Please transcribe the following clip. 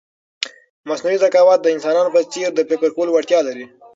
مصنوعي ذکاوت د انسانانو په څېر د فکر کولو وړتیا لري.